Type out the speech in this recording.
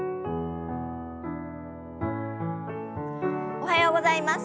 おはようございます。